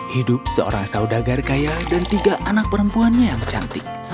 hidup seorang saudagar kaya dan tiga anak perempuannya yang cantik